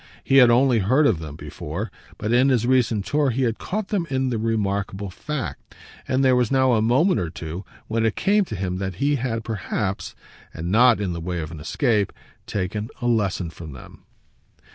He had only heard of them before, but in his recent tour he had caught them in the remarkable fact, and there was now a moment or two when it came to him that he had perhaps and not in the way of an escape taken a lesson from them.